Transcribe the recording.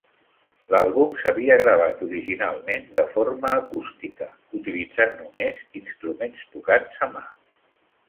L'àlbum s'havia gravat originalment de forma acústica, utilitzant només instruments tocats a mà.